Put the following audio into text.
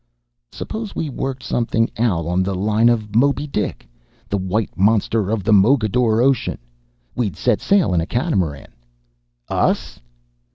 "Suppose we worked something out on the line of Moby Dick? The White Monster of the Mogador Ocean. We'd set sail in a catamaran " "Us?"